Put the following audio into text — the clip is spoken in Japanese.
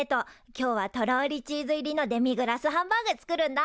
今日はとろりチーズ入りのデミグラスハンバーグ作るんだ！